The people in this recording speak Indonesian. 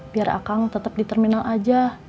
biar akang tetap di terminal aja